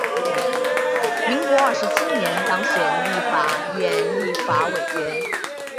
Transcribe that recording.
民国三十七年当选立法院立法委员。